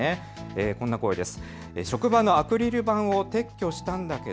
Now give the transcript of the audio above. こんな声です。